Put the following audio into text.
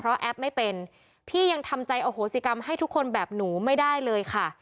แอปไม่เป็นพี่ยังทำใจอโหสิกรรมให้ทุกคนแบบหนูไม่ได้เลยค่ะ